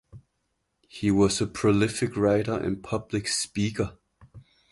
He was a prolific writer and public speaker.